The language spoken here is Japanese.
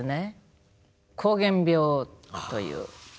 膠原病という。